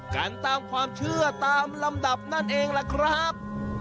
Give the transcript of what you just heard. กันตามความเชื่อตามลำดับนั่นเองล่ะครับ